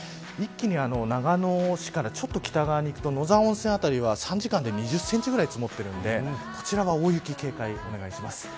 一気に、長野市から北側にいくと野沢温泉辺りは３時間で２０センチぐらい積もっているのでこちらは大雪に警戒をお願いします。